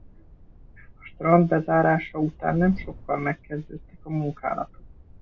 A strand bezárása után nem sokkal megkezdődtek a munkálatok.